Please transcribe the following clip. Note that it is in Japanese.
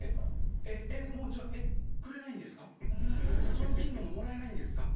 その金の斧もらえないんですか？